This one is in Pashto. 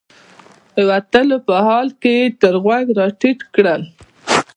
د وتلو په حال کې یې تر غوږ راټیټ کړل.